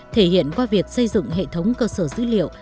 thể hiện qua việc xây dựng hệ thống cơ sở dữ liệu